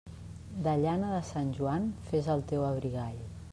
De llana de Sant Joan fes el teu abrigall.